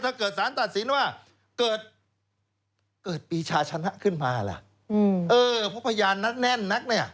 ถ้าเกิดสารตัดสินว่าเกิดปีชาชนะขึ้นมาล่ะเออเพราะพยานนัดแน่นนักเนี่ย